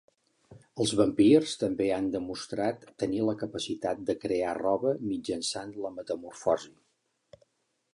Els vampirs també han demostrat tenir la capacitat de crear roba mitjançant la metamorfosi.